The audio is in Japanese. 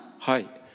はい。